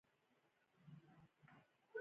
زه د زدهکړې لپاره نوټسونه جوړوم.